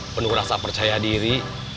penuh rasa percaya diri